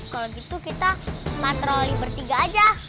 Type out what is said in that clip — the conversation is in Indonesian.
kalau gitu kita patroli bertiga aja